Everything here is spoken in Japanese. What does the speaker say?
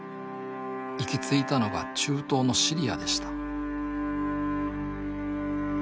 行き着いたのが中東のシリアでした